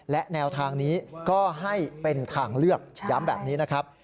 และแนวทางนี้ก็ให้เป็นทางเลือกย้ำแบบนี้นะครับ